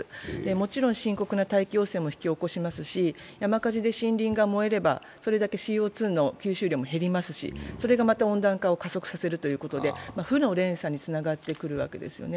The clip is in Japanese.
もちろん深刻な大気汚染も引き起こしますし、山火事で森林が燃えればそれだけＣＯ２の吸収量も減りますし、それがまた温暖化を加速させるということで負の連鎖につながってくるわけです。